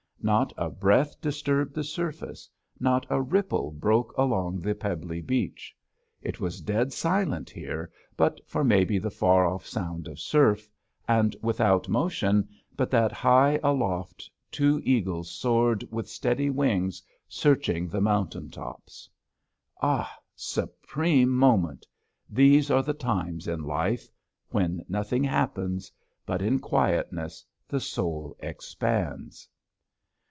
Not a breath disturbed the surface, not a ripple broke along the pebbly beach; it was dead silent here but for maybe the far off sound of surf, and without motion but that high aloft two eagles soared with steady wing searching the mountain tops. Ah, supreme moment! These are the times in life when nothing happens but in quietness the soul expands.